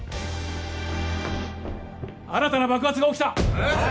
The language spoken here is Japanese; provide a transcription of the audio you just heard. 新たな爆発が起きたえっ！？